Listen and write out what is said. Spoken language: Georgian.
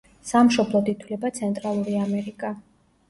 სამშობლოდ ითვლება ცენტრალური ამერიკა.